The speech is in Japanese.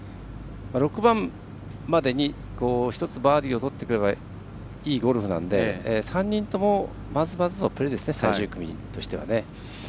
６番までに１つ、バーディーをとってくればいいゴルフなので、３人ともまずまずのプレーですね最終組としてはね。